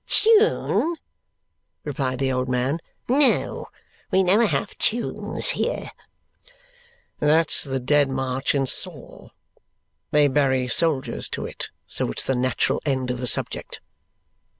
"Tune!" replied the old man. "No. We never have tunes here." "That's the Dead March in Saul. They bury soldiers to it, so it's the natural end of the subject.